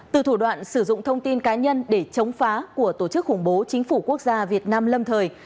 từ thủ đoạn sử dụng thông tin cá nhân để chống phá của tổ chức khủng bố chính phủ quốc gia việt nam lâm thời